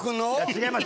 違います